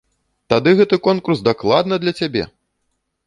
Тады гэты конкурс дакладна для цябе!